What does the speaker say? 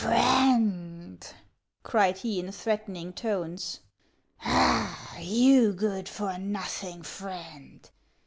" Friend !" cried he in threatening tones ;" ah, you good for nothing Friend